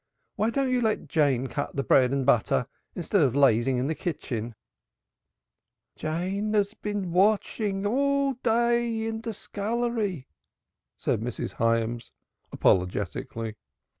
Why don't you let Jane cut the bread and butter instead of lazing in the kitchen?" "Jane has been washing all day in the scullery," said Mrs. Hyams apologetically.